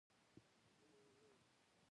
توپیر سخت او له تناقضه ډک دی.